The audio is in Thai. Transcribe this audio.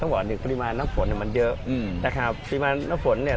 บอกเนี่ยปริมาณน้ำฝนเนี่ยมันเยอะอืมนะครับปริมาณน้ำฝนเนี่ย